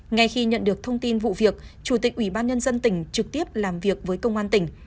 ngay khi nhận được thông tin vụ việc chủ tịch ủy ban nhân dân tỉnh trực tiếp làm việc với công an tỉnh